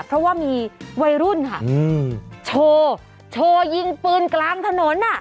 เพราะว่ามีวัยรุ่นค่ะโชว์โชว์ยิงปืนกลางถนน